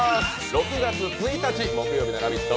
６月１日木曜日の「ラヴィット！」